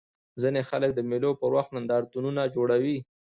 ځيني خلک د مېلو پر وخت نندارتونونه جوړوي.